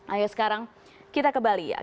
ayo sekarang kita ke bali ya